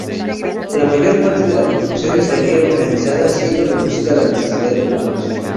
La mayor parte de la producción estaría mecanizada, siendo reducida la necesidad de humanos.